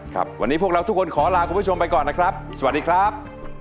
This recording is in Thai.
ครับวันนี้พวกเราทุกคนขอลาคุณผู้ชมไปก่อนนะครับสวัสดีครับ